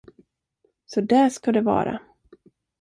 Så där ska det vara!